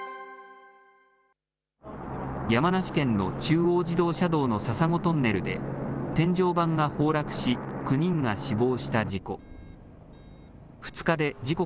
山梨県の中央自動車道の笹子トンネルで、天井板が崩落し、９人が死亡した事故。